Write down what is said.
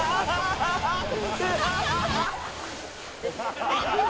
ハハハハッ。